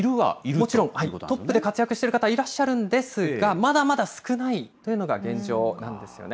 もちろんトップで活躍してらっしゃる方、いらっしゃるんですが、まだまだ少ないというのが現状なんですよね。